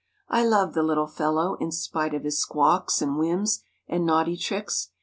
I love the little fellow in spite of his squawks and whims and naughty tricks.